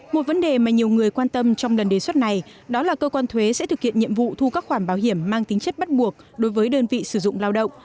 một vấn đề mà nhiều người quan tâm trong lần đề xuất này đó là cơ quan thuế sẽ thực hiện nhiệm vụ thu các khoản bảo hiểm mang tính chất bắt buộc đối với đơn vị sử dụng lao động